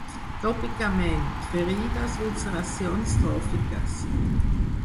Tòpicament: ferides, ulceracions tròfiques.